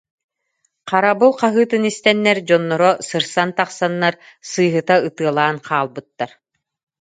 Харабыл хаһыытын истэннэр, дьонноро сырсан тахсаннар сыыһыта ытыалаан хаалбыттар